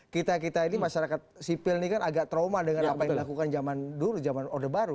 kita kita ini masyarakat sipil ini kan agak trauma dengan apa yang dilakukan zaman dulu zaman orde baru